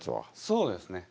そうですね。